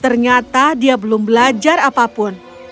ternyata dia belum belajar apapun